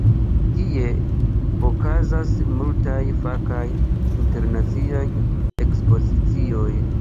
Tie okazas multaj fakaj internaciaj ekspozicioj.